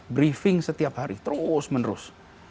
briefing setiap hari terus menerus